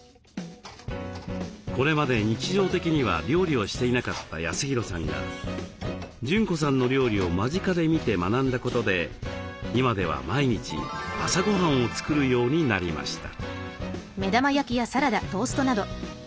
これまで日常的には料理をしていなかった恭弘さんが淳子さんの料理を間近で見て学んだことで今では毎日朝ごはんを作るようになりました。